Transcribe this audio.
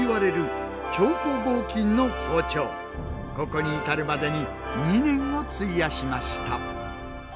ここに至るまでに２年を費やしました。